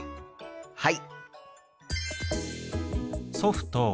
はい！